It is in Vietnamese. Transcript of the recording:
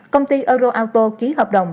công ty euroauto ký hợp đồng